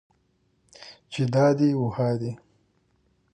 چې دا دي و ها دي.